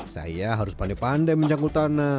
saya harus pandai pandai menjauh tanah